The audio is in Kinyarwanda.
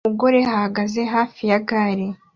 Umugore uhagaze hafi ya gare